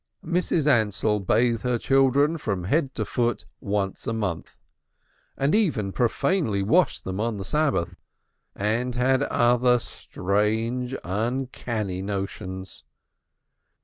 Mrs. Ansell bathed her children from head to foot once a month, and even profanely washed them on the Sabbath, and had other strange, uncanny notions.